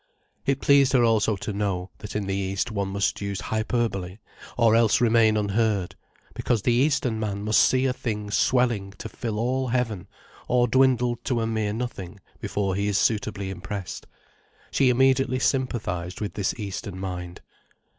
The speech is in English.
It pleased her also to know, that in the East one must use hyperbole, or else remain unheard; because the Eastern man must see a thing swelling to fill all heaven, or dwindled to a mere nothing, before he is suitably impressed. She immediately sympathized with this Eastern mind.